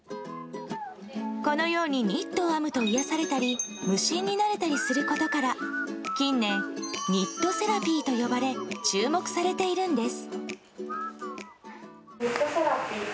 このようにニットを編むと癒やされたり無心になれたりすることから近年、ニットセラピーと呼ばれ注目されているんです。